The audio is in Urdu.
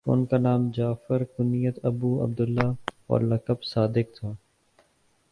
ان کا نام جعفر کنیت ابو عبد اللہ اور لقب صادق تھا